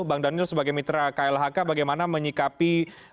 bang daniel sebagai mitra klhk bagaimana menyikapi